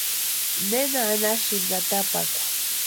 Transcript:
¿Nena anhasïnki atapakwa?